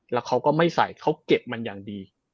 แล้วเขาก็ไม่ใส่เขาเก็บมันอย่างดี